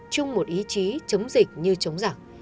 chung một ý chí chống dịch như chống giả